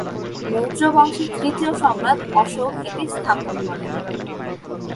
মৌর্য বংশের তৃতীয় সম্রাট অশোক এটি স্থাপন করেন।